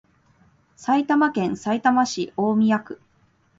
埼玉県さいたま市大宮区